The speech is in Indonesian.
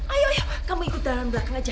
ayo ayo kamu ikut dalam belakang aja